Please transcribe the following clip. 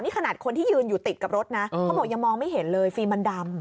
นี่ขนาดคนที่ยืนอยู่ติดกับรถนะเขาบอกยังมองไม่เห็นเลยฟิล์มมันดำ